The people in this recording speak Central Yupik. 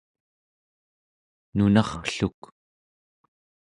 nunarrluk